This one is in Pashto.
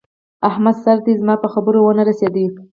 احمده! سر دې زما په خبره و نه رسېدی!